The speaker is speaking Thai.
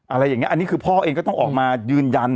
อะไรอย่างนี้อันนี้คือพ่อเองก็ต้องออกมายืนยัน